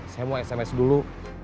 saya mau sms dulu